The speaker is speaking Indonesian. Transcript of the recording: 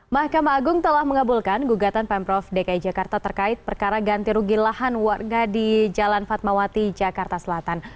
mahkamah agung telah mengabulkan gugatan pemprov dki jakarta terkait perkara ganti rugi lahan warga di jalan fatmawati jakarta selatan